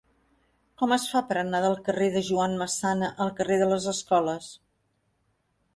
Com es fa per anar del carrer de Joan Massana al carrer de les Escoles?